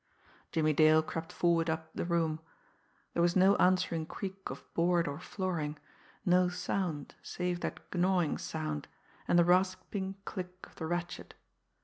Jimmie Dale crept forward up the room. There was no answering creak of board or flooring, no sound save that gnawing sound, and the rasping click of the ratchet.